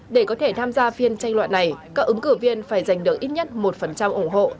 để có thể tham gia phiên tranh luận này các ứng cử viên phải giành được ít nhất một ủng hộ